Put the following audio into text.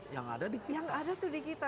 yang ada di kita